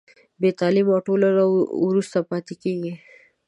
بې تعلیمه ټولنه وروسته پاتې کېږي.